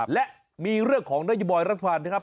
และมีเรื่องของนโยบายรัฐบาลนะครับ